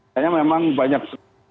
saya memang banyak